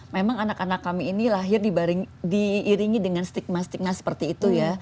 memang anak anak kami ini lahir diiringi dengan stigma stigma seperti itu ya